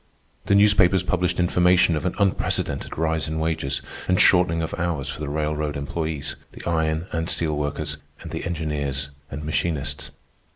The newspapers published information of an unprecedented rise in wages and shortening of hours for the railroad employees, the iron and steel workers, and the engineers and machinists.